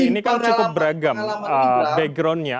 ini kan cukup beragam backgroundnya